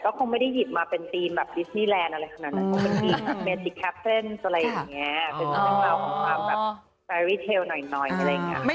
ก็คงไม่ได้หยิดมาเป็นชาวดิสนีเรนอะไรขนาดนั้น